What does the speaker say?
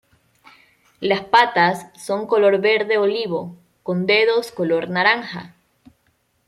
Las patas son color verde olivo, con dedos color naranja.